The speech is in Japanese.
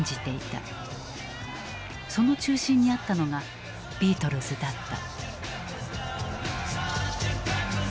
その中心にあったのがビートルズだった。